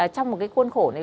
trong một khuôn khổ này